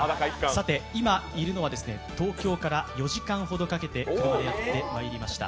さて、今いるのは東京から４時間ほどかけて車でやってまいりました。